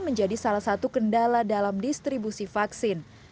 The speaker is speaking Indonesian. menjadi salah satu kendala dalam distribusi vaksin